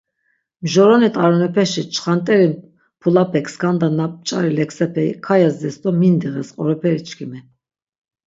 Mjoroni t̆aronepeşi çxant̆eri mp̌ulapek skanda na p̆ç̆ari leksepe kayezdes do mindiğes qoroperi çkimi.